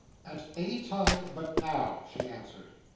"At any time but now," she answered.